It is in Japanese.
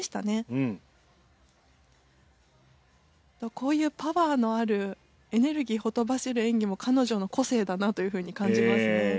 こういうパワーのあるエネルギーほとばしる演技も彼女の個性だなという風に感じますね。